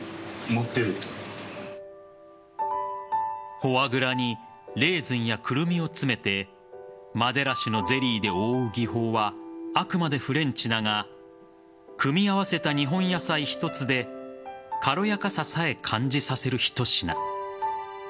フォアグラにレーズンやクルミを詰めてマデラ酒のゼリーで覆う技法はあくまでフレンチだが組み合わせた日本野菜一つで軽やかささえ感じさせるひと品。